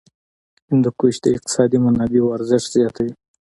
هندوکش د اقتصادي منابعو ارزښت زیاتوي.